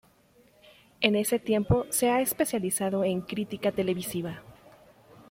En ese tiempo se ha especializado en crítica televisiva.